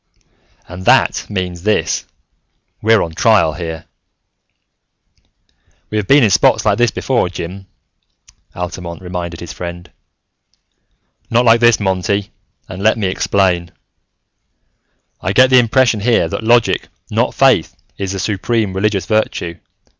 "And that means this: we're on trial here!" "We have been in spots like this before, Jim," Altamont reminded his friend. "Not like this, Monty, and let me explain. "I get the impression here that logic, not faith, is the supreme religious virtue.